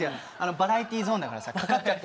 バラエティーゾーンだからさかかっちゃってんのよ。